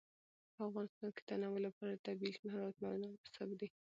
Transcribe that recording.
په افغانستان کې د تنوع لپاره طبیعي شرایط مناسب دي.